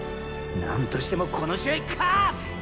なんとしてもこの試合勝つ！